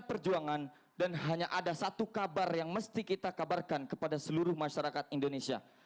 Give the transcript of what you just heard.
perjuangan dan hanya ada satu kabar yang mesti kita kabarkan kepada seluruh masyarakat indonesia